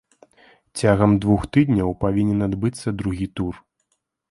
Цягам двух тыдняў павінен адбыцца другі тур.